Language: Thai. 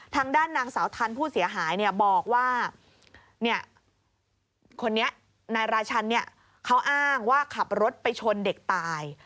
ทางด้านนางสาวทันผู้เสียหายบอกว่าคนนี้นายราชันเขาอ้างว่าขับรถไปชนเด็กตาย